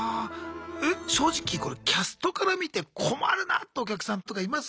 え正直これキャストから見て困るなってお客さんとかいます？